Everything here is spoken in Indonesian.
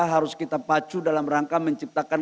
harus kita pacu dalam rangka menciptakan